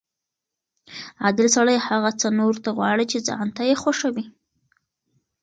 عادل سړی هغه څه نورو ته غواړي چې ځان ته یې خوښوي.